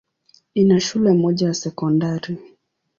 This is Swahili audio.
Ina shule moja ya sekondari.